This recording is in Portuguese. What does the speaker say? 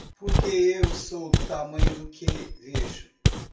Porque eu sou do tamanho do que vejo.